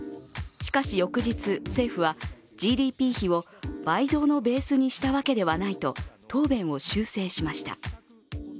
しかし翌日、政府はＧＤＰ比を倍増のベースにしたわけではないと答弁を修正しました。